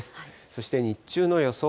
そして日中の予想